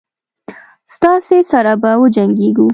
ستاسي سره به وجنګیږو.